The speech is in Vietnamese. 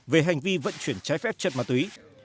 về hành vi vận chuyển trái phép chất ma túy